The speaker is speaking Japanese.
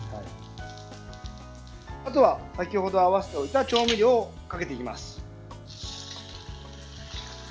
あとは先ほど合わせておいた調味料をかけていきます。